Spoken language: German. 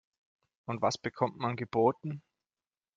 Und was bekommt man geboten?